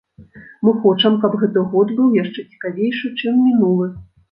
Мы хочам, каб гэты год быў яшчэ цікавейшы чым мінулы.